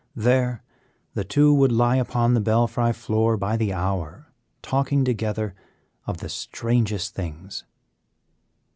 There the two would lie upon the belfry floor by the hour, talking together of the strangest things.